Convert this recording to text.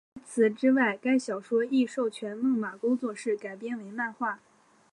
除此之外该小说亦授权梦马工作室改编为漫画。